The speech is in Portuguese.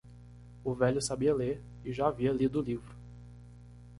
O velho sabia ler? e já havia lido o livro.